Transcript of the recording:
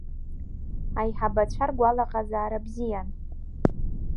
Аиҳабацәа ргәалаҟазаара бзиан.